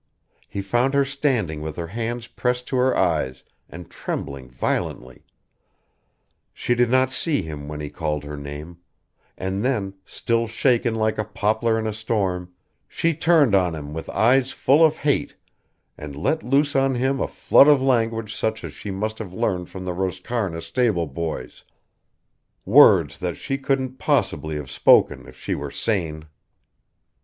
He found her standing with her hands pressed to her eyes and trembling violently. She did not see him when he called her name, and then, still shaken like a poplar in a storm, she turned on him with eyes full of hate and let loose on him a flood of language such as she must have learned from the Roscarna stable boys, words that she couldn't possibly have spoken if she were sane.